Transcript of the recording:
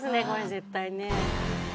絶対ね。